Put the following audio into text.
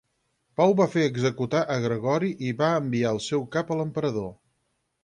Pau va fer executar a Gregori i va enviar el seu cap a l'emperador.